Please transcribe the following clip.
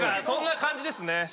そんな感じですね。